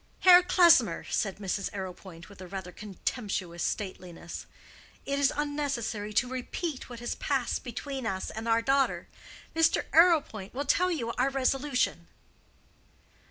"Herr Klesmer," said Mrs. Arrowpoint, with a rather contemptuous stateliness, "it is unnecessary to repeat what has passed between us and our daughter. Mr. Arrowpoint will tell you our resolution."